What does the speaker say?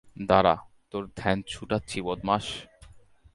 দাঁড়া তোর ধ্যান ছুটাচ্ছি বদমাশ।